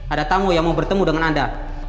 ada tamu yang mau bertemu dengan anda